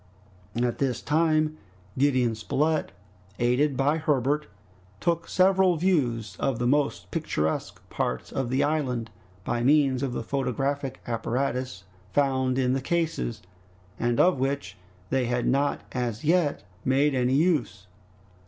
At this time Gideon Spilett, aided by Herbert, took several views of the most picturesque parts of the island, by means of the photographic apparatus found in the cases, and of which they had not as yet made any use.